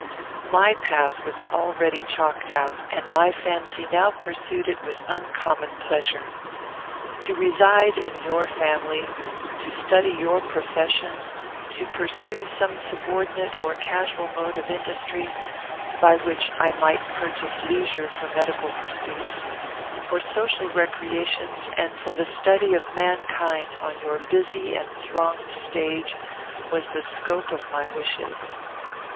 My path was already chalked out, and my fancy now pursued it with uncommon pleasure. To reside in your family; to study your profession; to pursue some subordinate or casual mode of industry, by which I might purchase leisure for medical pursuits, for social recreations, and for the study of mankind on your busy and thronged stage, was the scope of my wishes.